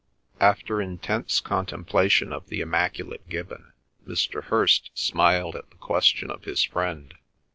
After intense contemplation of the immaculate Gibbon Mr. Hirst smiled at the question of his friend.